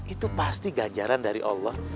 itu pasti ganjaran dari allah